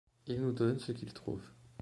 Ils nous donnent ce qu’ils trouvent.